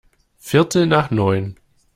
Viertel nach neun.